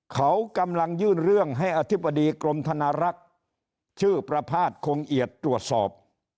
เขากำลังยื่นเรื่องให้อธิบดีกรมธนารักษ์ชื่อประพาทคงเอียดตรวจสอบ